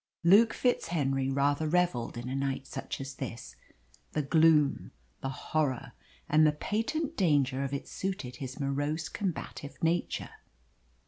Luke FitzHenry rather revelled in a night such as this the gloom, the horror, and the patent danger of it suited his morose, combative nature.